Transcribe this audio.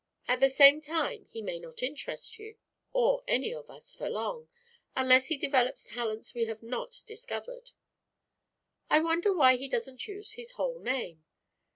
At the same time he may not interest you or any of us for long, unless he develops talents we have not discovered. I wonder why he doesn't use his whole name.